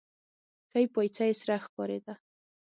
ښۍ پايڅه يې سره ښکارېده.